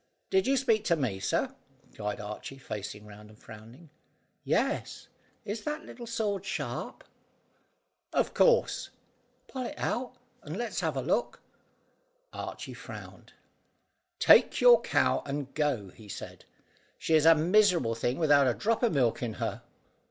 "Did you speak to me, sir?" cried Archy, facing round, and frowning. "Yes. Is that little sword sharp?" "Of course." "Pull it out, and let's have a look." Archy frowned. "Take your cow and go," he said. "She is a miserable thing without a drop of milk in her."